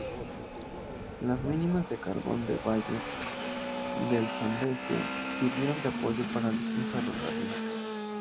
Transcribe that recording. Las minas de carbón del Valle del Zambeze sirvieron de apoyo para un ferrocarril.